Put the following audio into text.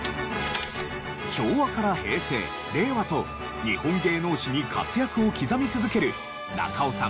昭和から平成令和と日本芸能史に活躍を刻み続ける中尾さん